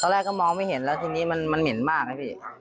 แรกก็มองไม่เห็นแล้วทีนี้มันเหม็นมากนะพี่